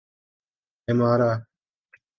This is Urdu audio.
ایمارا